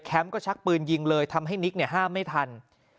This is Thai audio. ก็ชักปืนยิงเลยทำให้นิกห้ามไม่ทัน